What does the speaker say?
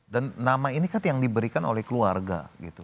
dan nama ini kan yang diberikan oleh keluarga